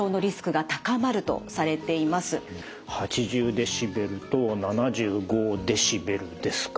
デシベルと７５デシベルですか。